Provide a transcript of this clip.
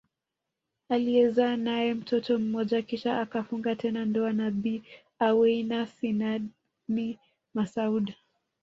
Aliyezaa nae mtoto mmoja kisha akafunga tena ndoa na Bi Aweina Sinani Masoud